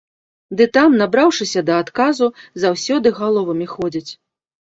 Ды там, набраўшыся да адказу, заўсёды галовамі ходзяць.